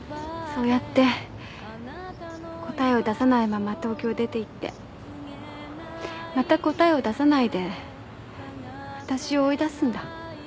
そうやって答えを出さないまま東京を出ていってまた答えを出さないでわたしを追い出すんだ。